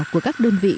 của các đơn vị